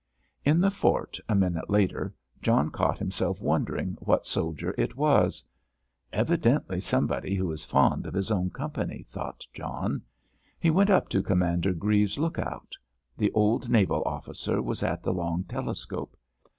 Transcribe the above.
In the fort, a minute later, John caught himself wondering what soldier it was. "Evidently somebody who is fond of his own company," thought John. He went up to Commander Grieves's look out. The old naval officer was at the long telescope.